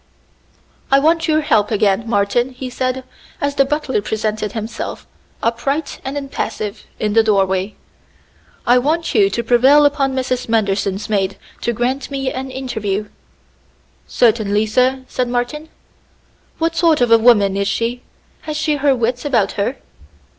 "I want your help again, Martin," he said, as the butler presented himself, upright and impassive, in the doorway. "I want you to prevail upon Mrs. Manderson's maid to grant me an interview." "Certainly, sir," said Martin. "What sort of a woman is she? Has she her wits about her?"